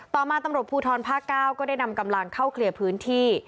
ต่อมาตำรวจภูทรภาค๙ก็ได้นำกำลังเข้าเคลียร์พื้นที่